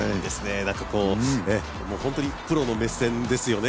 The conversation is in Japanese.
本当に、プロの目線ですよね